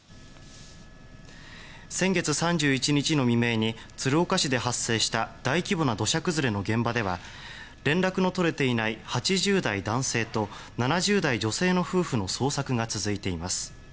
先月３１日の未明に鶴岡市で発生した大規模な土砂崩れの現場では連絡の取れていない８０代男性と７０代女性の夫婦の捜索が続いています。